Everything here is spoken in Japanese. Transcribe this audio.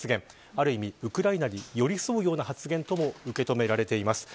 ある意味、ウクライナに寄り添うような発言とも受け止められています。